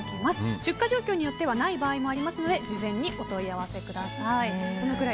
出荷状況によってはない場合もありますので事前にお問い合わせください。